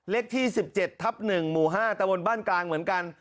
เลขที่๑๗ทับ๑หมู่๕ตะบนบ้านกลางเหมือนกัน